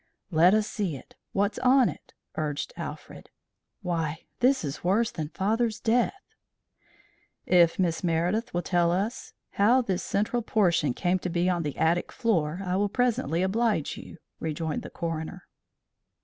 "Let us see it. What's on it?" urged Alfred. "Why, this is worse than father's death." "If Miss Meredith will tell me how this central portion came to be on the attic floor, I will presently oblige you," rejoined the coroner.